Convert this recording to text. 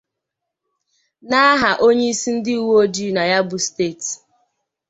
n'aha onyeisi ndị uwe ojii na ya bụ steeti